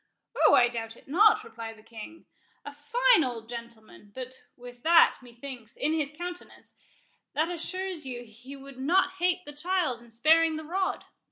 "Oh, I doubt it not," replied the king; "a fine old gentleman—but with that, methinks, in his countenance, that assures you he would not hate the child in sparing the rod.